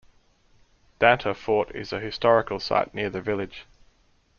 Danta Fort is a historical site near the village.